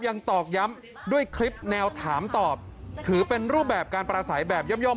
ตอกย้ำด้วยคลิปแนวถามตอบถือเป็นรูปแบบการประสัยแบบย่อม